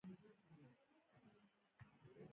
د سپرن په نامه د بند یو بل زیان هغه وخت پیدا کېږي.